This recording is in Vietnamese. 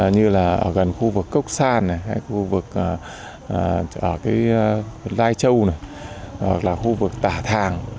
như là ở gần khu vực cốc san khu vực lai châu khu vực tà thàng